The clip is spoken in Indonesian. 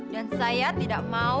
dan saya tidak mau